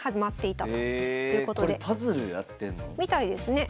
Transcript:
みたいですね。